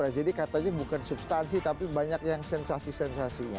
jadi katanya bukan substansi tapi banyak yang sensasi sensasinya